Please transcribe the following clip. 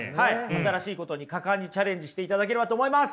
新しいことに果敢にチャレンジしていただければと思います。